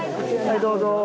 はいどうぞ。